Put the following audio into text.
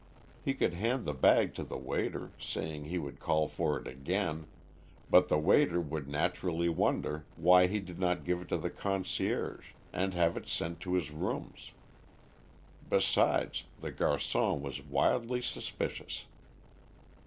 He could hand the bag to the waiter saying he would call for it again, but the waiter would naturally wonder why he did not give it to the concierge, and have it sent to his rooms; besides, the garçon was wildly suspicious.